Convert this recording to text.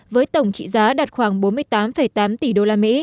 với tổng trị giá đạt khoảng bốn mươi tám tám tỷ usd